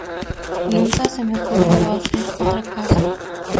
Nunca se me ocurrió hacer otra cosa.